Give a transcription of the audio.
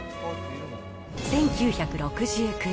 １９６９年、